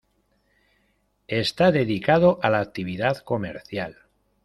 Está dedicado a la actividad comercial.